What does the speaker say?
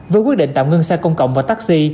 với quyết định tạm ngưng xe công cộng và taxi